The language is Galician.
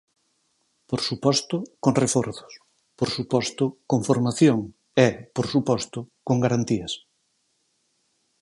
Por suposto, con reforzos; por suposto, con formación e, por suposto, con garantías.